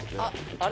あれ？